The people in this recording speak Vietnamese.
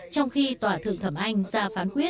trong khi tòa thượng thẩm anh ra phán quyết